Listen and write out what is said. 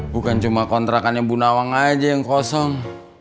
bukan cuma kontrakannya bu nawang aja yang kosong